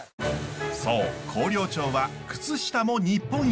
そう広陵町は靴下も日本一！